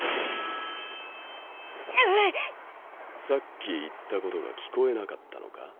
さっき言ったことが聞こえなかったのか？